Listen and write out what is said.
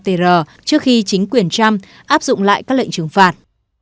tr trước khi chính quyền trump áp dụng lại các lệnh trừng phạt